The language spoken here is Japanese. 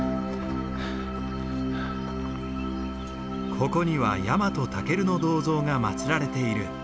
ここにはヤマトタケルの銅像が祭られている。